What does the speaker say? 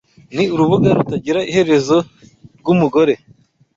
Ni urubuga rutagira iherezo rwumugore